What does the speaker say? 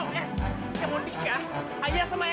kamu nikah ayah sama erwin